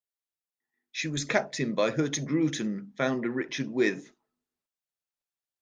She was captained by Hurtigruten founder Richard With.